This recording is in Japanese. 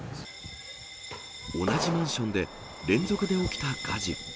同じマンションで連続で起きた火事。